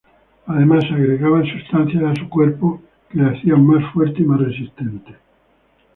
Además agregaban sustancias a su cuerpo que le hacían más fuerte y más resistente.